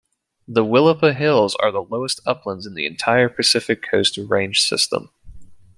The Willapa Hills are the lowest uplands in the entire Pacific Coast Range system.